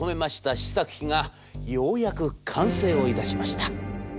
試作機がようやく完成をいたしました。